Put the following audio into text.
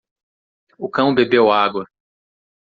O cão bebeu água.